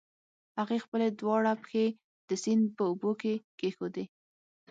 هغې خپلې دواړه پښې د سيند په اوبو کې کېښودې.